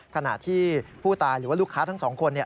ขณะที่ผู้ตายหรือว่าลูกค้าทั้งสองคน